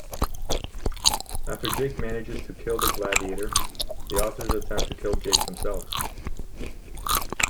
After Jake manages to kill the gladiator, the officers attempt to kill Jake themselves.